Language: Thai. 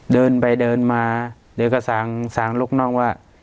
เดินไปเดินมาเดินก็สั่งลูกน้องว่า